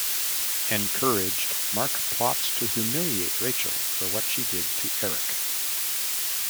Encouraged, Mark plots to humiliate Rachel for what she did to Eric.